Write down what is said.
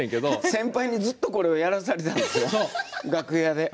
先輩にずっとこれをやらされていたんですよ楽屋で。